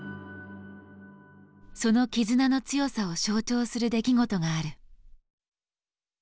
その絆の強さを象徴する出来事がある。